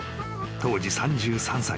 当時３３歳］